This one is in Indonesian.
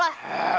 hah itu apaan mini